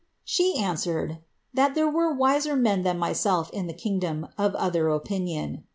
She answered, ^ that there were wiser men than myself in the king , of other opinion.'